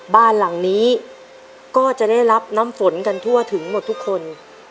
บ้านหลังนี้ก็จะได้รับน้ำฝนกันทั่วถึงหมดทุกคน